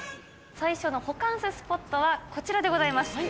最初のホカンススポットはこちらでございます。